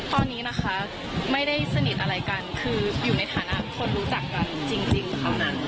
ตอนนี้นะคะไม่ได้สนิทอะไรกันคืออยู่ในฐานะคนรู้จักกันจริงเท่านั้น